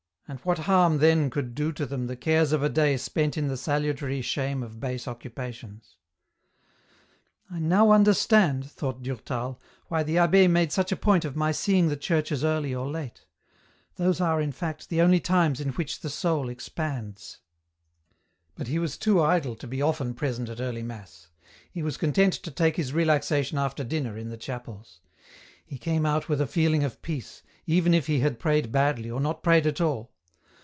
And what harm then could do to them the cares of a day spent in the salutary shame of base occupations ?" I now understand," thought Durtal, " why the abb^ made such a point of my seeing the churches early or late ; those are, in fact, the only times in which the soul expands." But he was too idle to be often present at early mass ; he was content to take his relaxation after dinner in the chapels. He came out with a feeling of peace, even if he had prayed badly or not prayed at all.